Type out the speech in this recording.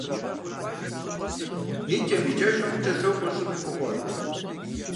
ИкӀэм-икӀэжым къыкӀэлъокӀуэ щӀым и кугъуэр.